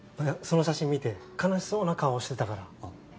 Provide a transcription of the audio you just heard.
その写真見て悲しそうな顔してたから。